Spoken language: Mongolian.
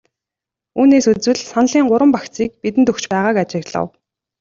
Үүнээс үзвэл саналын гурван багцыг бидэнд өгч байгааг ажиглав.